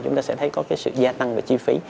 chúng ta sẽ thấy có cái sự gia tăng về chi phí